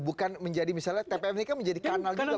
bukan menjadi misalnya tpmd kan menjadi kanal juga